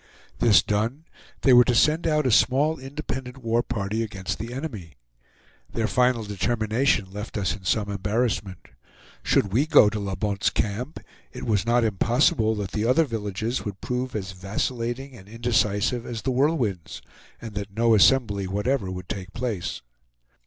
This done, they were to send out a small independent war party against the enemy. Their final determination left us in some embarrassment. Should we go to La Bonte's Camp, it was not impossible that the other villages would prove as vacillating and indecisive as The Whirlwinds, and that no assembly whatever would take place.